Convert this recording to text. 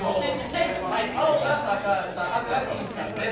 青が高橋さん、赤がきんさんです。